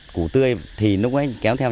củ tươi thì nó có kéo theo